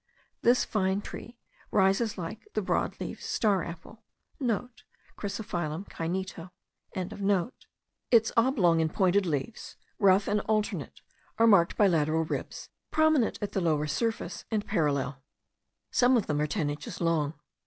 This fine tree rises like the broad leaved star apple.* (* Chrysophyllum cainito.) Its oblong and pointed leaves, rough and alternate, are marked by lateral ribs, prominent at the lower surface, and parallel. Some of them are ten inches long.